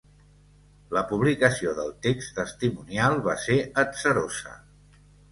La publicació del text testimonial va ser atzarosa.